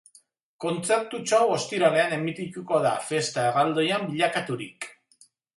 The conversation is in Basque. Kontzertutxo hau ostiralean emitituko da, festa erraldoian bilakaturik.